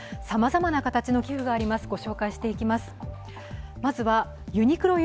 さまざまな形の寄付があります。